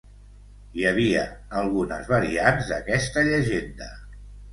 Hi havia algunes variants d'aquesta llegenda.